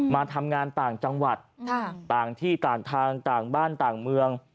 มาทำงานต่างจังหวัดต่างที่ต่างทางต่างบ้านต่างเมือง